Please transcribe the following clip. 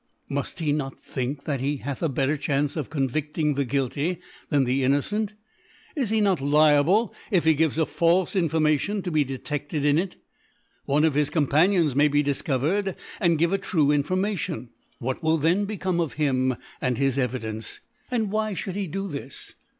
Muft he noc think that he hath a better Chance of con«» Tiding the Guilty than the Innocent ? U he not liaise, if he gives a falfe Information^ to be deceded in it f One of his Cotnpaniona may be difcovered and give a true Informal tion, what will then become of him and his Evidence ? And why fliould he do this